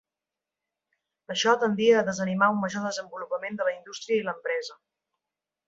Això tendia a desanimar un major desenvolupament de la indústria i l'empresa.